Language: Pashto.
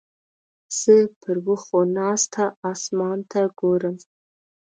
زه پر وښو ناسته اسمان ته ګورم.